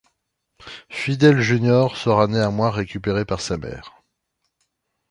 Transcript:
Fidel Jr sera néanmoins récupéré par sa mère.